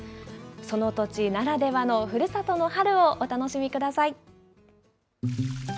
その土地ならではのふるさとの春をお楽しみください。